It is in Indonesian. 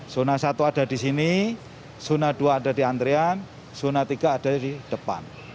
zona satu ada di sini zona dua ada di antrian zona tiga ada di depan